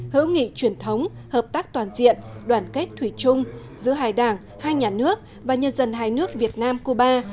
hữu nghị truyền thống hợp tác toàn diện đoàn kết thủy chung giữa hai đảng hai nhà nước và nhân dân hai nước việt nam cuba